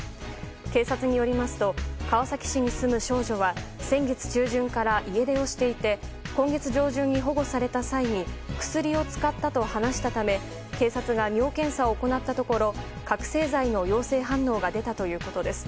警察によりますと川崎市に住む少女は先月中旬から家出をしていて今月上旬に保護された際にクスリを使ったと話したため警察が尿検査を行ったところ覚醒剤の陽性反応が出たということです。